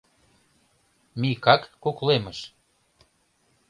— Микак куклемыш.